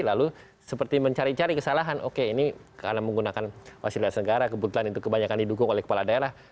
lalu seperti mencari cari kesalahan oke ini karena menggunakan fasilitas negara kebetulan itu kebanyakan didukung oleh kepala daerah